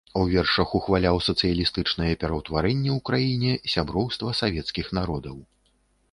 У вершах ухваляў сацыялістычныя пераўтварэнні ў краіне, сяброўства савецкіх народаў.